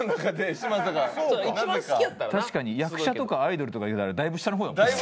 確かに役者とかアイドルとか入れたらだいぶ下の方だもんな。